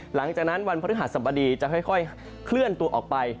หลังจากนั้นวันพฤหัสบดีจะค่อยเคลื่อนตัวออกไป